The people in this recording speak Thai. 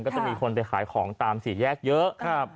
ก็จะมีคนไปขายของตามสี่แยกเยอะ